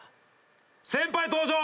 先輩登場。